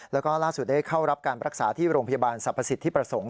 แล้วก็ล่าสุดได้เข้ารับการรักษาที่โรงพยาบาลสรรพสิทธิประสงค์